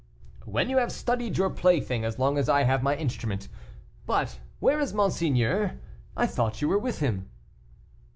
"When you have studied your plaything as long as I have my instrument. But where is monseigneur? I thought you were with him."